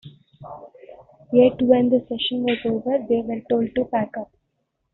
Yet when the session was over, they were told to pack up.